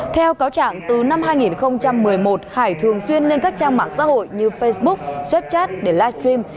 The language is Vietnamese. theo cáo trạng từ năm hai nghìn một mươi một hải thường xuyên lên các trang mạng xã hội như facebook zepch chat để live stream